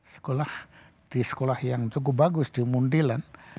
sekolah di sekolah yang cukup bagus di mundilan